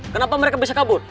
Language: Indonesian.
kenapa mereka bisa kabur